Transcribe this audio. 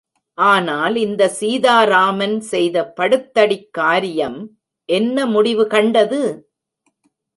ஆனால் இந்தச் சீதா ராமன் செய்த படுத்தடிக் காரியம் என்ன முடிவு கண்டது?